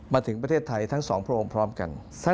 มาถึงประเทศไทยมาสามพระองค์พร้อมคือกัน